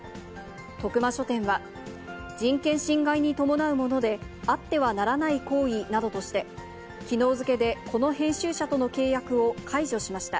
徳間書店は、人権侵害に伴うもので、あってはならない行為などとして、きのう付けでこの編集者との契約を解除しました。